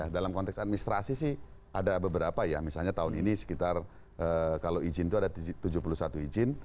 dalam konteks administrasi sih ada beberapa ya misalnya tahun ini sekitar kalau izin itu ada tujuh puluh satu izin